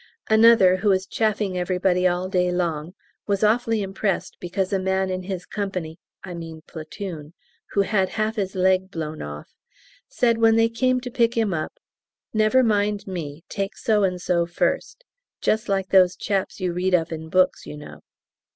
Another, who is chaffing everybody all day long, was awfully impressed because a man in his company I mean platoon who had half his leg blown off, said when they came to pick him up, "Never mind me take so and so first" "just like those chaps you read of in books, you know."